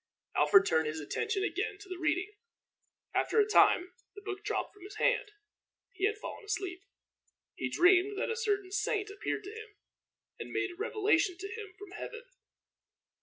Alfred turned his attention again to his reading. After a time the book dropped from his hand. He had fallen asleep. He dreamed that a certain saint appeared to him, and made a revelation to him from heaven.